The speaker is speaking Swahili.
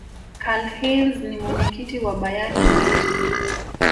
karlheinze ni mwenyekiti wa bayern munich